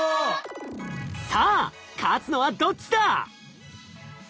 さあ勝つのはどっちだ？